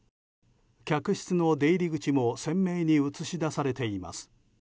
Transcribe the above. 客室の出入り口も鮮明に映し出されています。